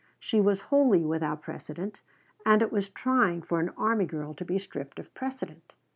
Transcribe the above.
She was wholly without precedent, and it was trying for an army girl to be stripped of precedent.